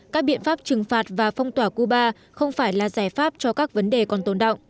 các biện pháp trừng phạt và phong tỏa cuba không phải là giải pháp cho các vấn đề còn tồn động